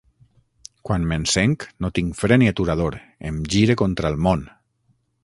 Quan m’encenc no tinc fre ni aturador, em gire contra el món.